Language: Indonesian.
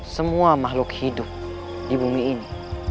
semua makhluk hidup di bumi ini